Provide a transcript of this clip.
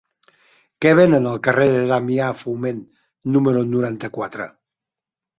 Què venen al carrer de Damià Forment número noranta-quatre?